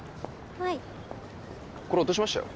はいこれ落としましたよ